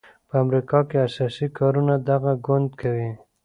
په امریکا کې اساسي کارونه دغه ګوند کوي.